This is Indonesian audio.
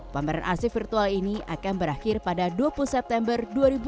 pameran arsip virtual ini akan berakhir pada dua puluh september